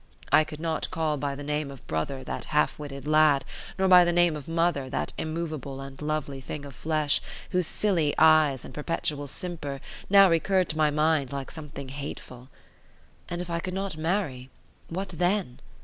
I could not call by the name of brother that half witted lad, nor by the name of mother that immovable and lovely thing of flesh, whose silly eyes and perpetual simper now recurred to my mind like something hateful. And if I could not marry, what then?